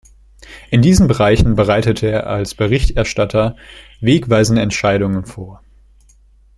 In diesen Bereichen bereitete er als Berichterstatter wegweisende Entscheidungen vor.